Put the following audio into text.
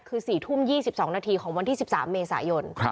คือ๔ทุ่ม๒๒นาทีของวันที่๑๓เมษายน